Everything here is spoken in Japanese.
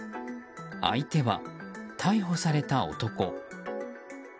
相手は逮捕された男。